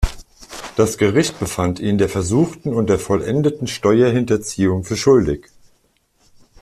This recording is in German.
Das Gericht befand ihn der versuchten und der vollendeten Steuerhinterziehung für schuldig.